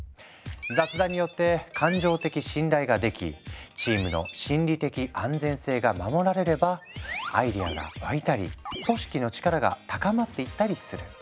雑談によって感情的信頼ができチームの心理的安全性が守られればアイデアが湧いたり組織の力が高まっていったりする。